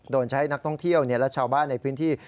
ใช้นักท่องเที่ยวและชาวบ้านในพื้นที่